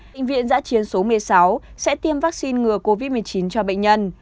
bệnh viện giã chiến số một mươi sáu sẽ tiêm vaccine ngừa covid một mươi chín cho bệnh nhân